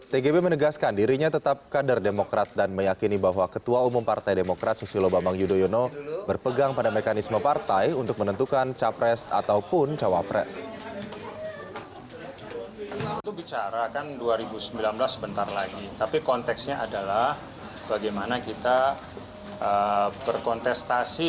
tgb menegaskan dirinya tetap kader demokrat dan meyakini bahwa ketua umum partai demokrat susilo bambang yudhoyono berpegang pada mekanisme partai untuk menentukan capres ataupun cowokres